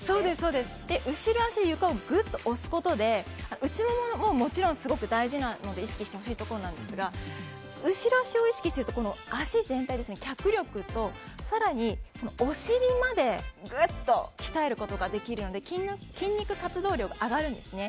後ろ脚で床を押すことで内ももも、もちろん大事なので意識してほしいところなんですが後ろ脚を意識していると足全体、脚力とお尻までぐっと鍛えることができるので筋肉活動量が上がるんですね。